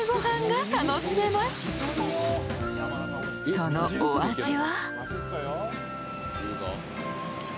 そのお味は？